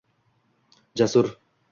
jasur